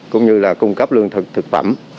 cũng như là cung cấp lương thực thực phẩm